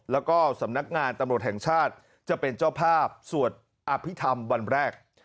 แล้วก็สำนักงานตำรวจแห่งชาติจะเป็นเจ้าภาพสวดอภิษฐรรมวันแรก